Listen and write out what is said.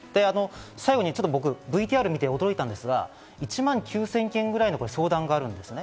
最後にＶＴＲを見て驚いたんですが、１万９０００件ぐらいの相談があるんですね。